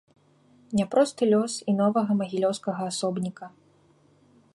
Няпросты лёс і новага магілёўскага асобніка.